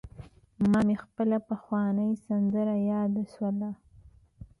ماته مي خپله پخوانۍ سندره یاده سوله: